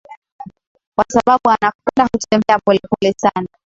kwa sababu Anacconda hutembea pole pole sana